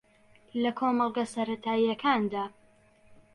لە کۆمەڵگە سەرەتایییەکاندا